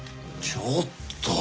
ちょっと！